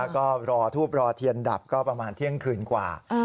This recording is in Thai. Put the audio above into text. ก็รอทูบรอเทียนดับก็ประมาณเที่ยงคืนกว่า